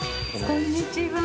こんにちは。